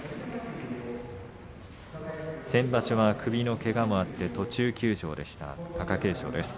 先場所は首のけがもあって途中休場でした貴景勝。